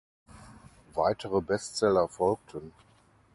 Weitere Bestseller folgten.